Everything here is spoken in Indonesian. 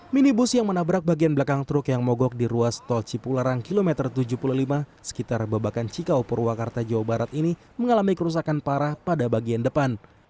minibus yang menabrak bagian belakang truk yang mogok di ruas tol cipularang kilometer tujuh puluh lima sekitar babakan cikau purwakarta jawa barat ini mengalami kerusakan parah pada bagian depan